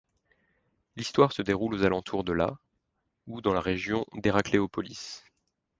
L'histoire se déroule aux alentours de la ou dans la région d'Hérakléopolis.